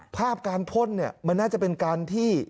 ภาพการพ่นเนี่ยมันน่าจะเป็นการที่